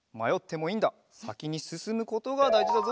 さきにすすむことがだいじだぞ。